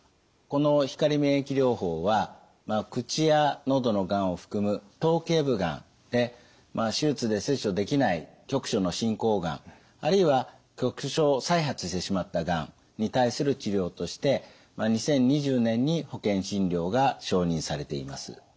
この光免疫療法は口や喉のがんを含む頭頸部がんで手術で切除できない局所の進行がんあるいは局所再発してしまったがんに対する治療として２０２０年に保険診療が承認されています。